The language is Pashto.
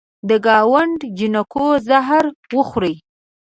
یه د ګاونډ جینکو زهر وخورئ